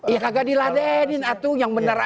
ya kagak dila denin itu yang bener